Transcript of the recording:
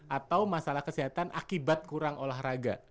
atau masalah kesehatan akibat kurang olahraga